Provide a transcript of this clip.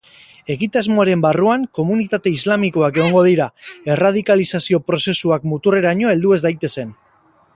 Egitasmoaren barruan komunitate islamikoak egongo dira, erradikalizazio prozesuak muturreraino heldu ez daitezen.